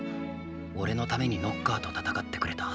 おれのためにノッカーと戦ってくれた。